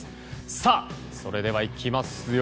さあ、それでは行きますよ。